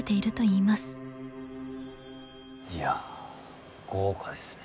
いや豪華ですね。